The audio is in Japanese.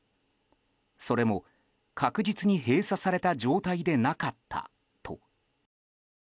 それも確実に閉鎖された状態でなかったと。